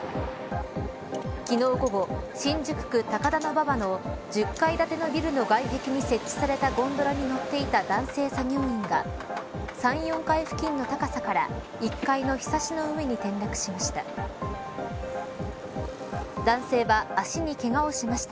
昨日午後、新宿区高田馬場の１０階建のビルの外壁に設置されたゴンドラに乗っていた男性作業員が３、４階付近の高さから１階のひさしの上に転落しました。